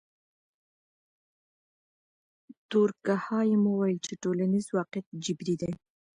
دورکهایم وویل چې ټولنیز واقعیت جبري دی.